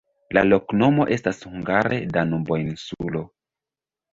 La loknomo estas hungare: Danubo-insulo.